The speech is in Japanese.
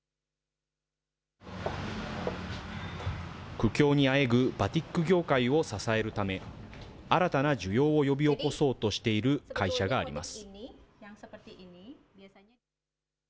苦境にあえぐバティック業界を支えるため、新たな需要を呼び起こそうとしている会社があります。